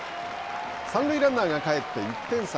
三塁ランナーが帰って１点差。